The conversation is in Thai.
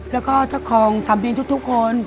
แล้วก็เจ้าของสามบินทุกคน